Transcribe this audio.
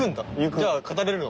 じゃあ語れるの？